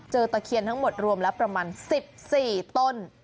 เจอตะเคียนทั้งหมดรวมละประมาณสิบสี่ต้น